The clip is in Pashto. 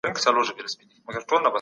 د کندهار امنیت څنګه خوندي سو؟